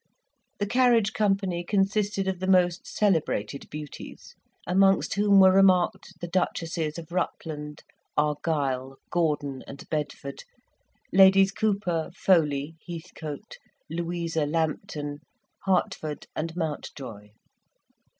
The carriage company consisted of the most celebrated beauties, amongst whom were remarked the Duchesses of Rutland, Argyle, Gordon, and Bedford, Ladies Cowper, Foley, Heathcote, Louisa Lambton, Hertford, and Mountjoy.